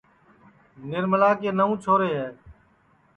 نرملا کے نئوں چھورے ہے